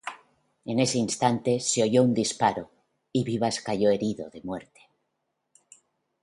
En ese instante se oyó un disparo y Vivas cayó herido de muerte.